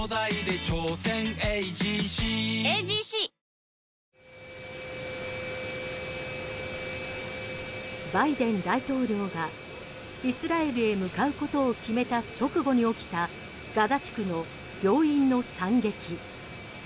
メロメロバイデン大統領がイスラエルへ向かうことを決めた直後に起きたガザ地区の病院の惨劇。